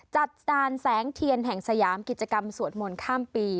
จัดการแสงเทียนแห่งสยามกิจกรรมสวดมนต์ข้ามปี